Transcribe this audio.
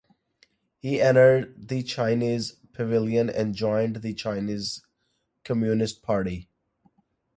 He entered the Chinese pavilion and joined the Chinese Communist Party.